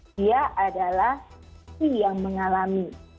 dia adalah si yang mengalami